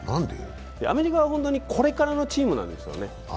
アメリカは本当にこれからのチームなんですよね。